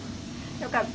よかった。